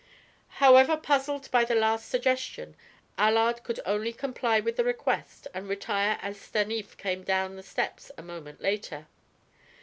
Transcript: However puzzled by the last suggestion, Allard could only comply with the request and retire as Stanief came down the steps a moment later.